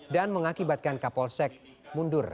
dan mengakibatkan kapolsek mundur